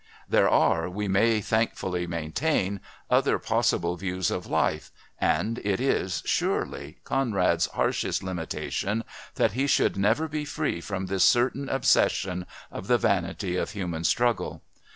There are, we may thankfully maintain, other possible views of life, and it is, surely, Conrad's harshest limitation that he should never be free from this certain obsession of the vanity of human struggle.